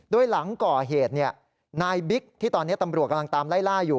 โดยหลังก่อเหตุนายบิ๊กที่ตอนนี้ตำรวจกำลังตามไล่ล่าอยู่